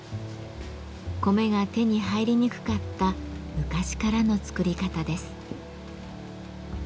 米が手に入りにくかった昔からの作り方です。